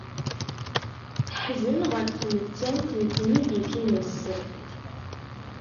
Teḥzen ɣef tmettant n tmidit-nnes.